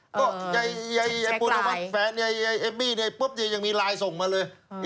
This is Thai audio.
แจ๊กไลน์แจ๊กไลน์แฟนแอบบี้ปุ๊บยังมีไลน์ส่งมาเลย